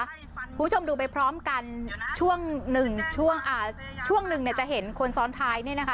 คุณผู้ชมดูไปพร้อมกันช่วงหนึ่งจะเห็นคนซ้อนท้ายนี่นะคะ